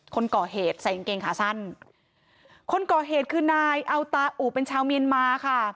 คนก่อเหตุใส่กางเกงขาสั้นคนก่อเหตุคือนายอัลตาอุเป็นชาวเมียนมาค่ะ